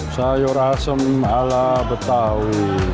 sayur asam ala betawi